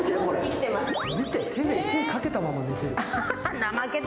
見て、手かけたまま寝てる。